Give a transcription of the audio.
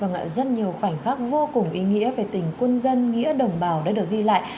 vâng ạ rất nhiều khoảnh khắc vô cùng ý nghĩa về tình quân dân nghĩa đồng bào đã được ghi lại